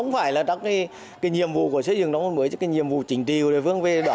hải tâm trung tâm ni usd